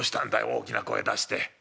大きな声出して。